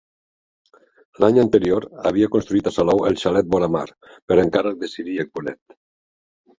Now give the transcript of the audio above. L'any anterior havia construït a Salou el Xalet Vora Mar per encàrrec de Ciríac Bonet.